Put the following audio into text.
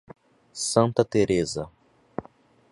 Santa Teresa